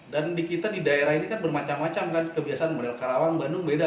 dan di kita di daerah ini kan bermacam macam kan kebiasaan model karawang bandung beda